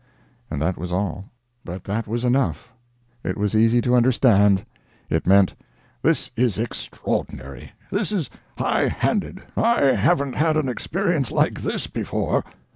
And that was all. But that was enough. It was easy to understand. It meant: "This is extraordinary. This is high handed. I haven't had an experience like this before."